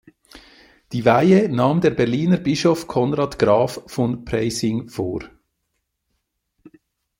Die Weihe nahm der Berliner Bischof Konrad Graf von Preysing vor.